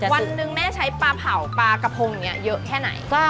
วันหนึ่งแม่ใช้ปลาเผาปลากระโพงเยอะแค่ไหน